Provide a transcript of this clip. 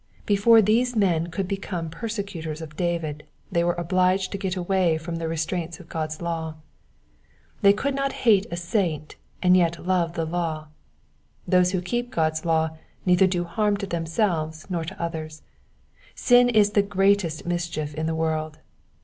Before these men could become persecutors of David they were obliged to get away from the restraints of God's law. They could not hate a saint and yet love the law. Those who keep God's law neither do harm to themselves nor to others. Sin is the greatest mis chief in the world.